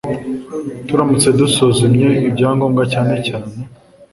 Turamutse dusuzumye ibyangombwa cyane cyane